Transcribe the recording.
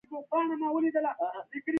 بابر اعظم د پاکستان لوبډلي کپتان دئ.